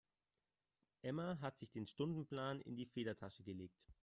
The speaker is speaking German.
Emma hat sich den Stundenplan in die Federtasche gelegt.